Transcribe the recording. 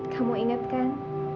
kamu ingat kan